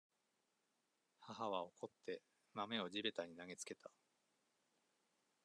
母は、怒って、豆を地べたに投げつけた。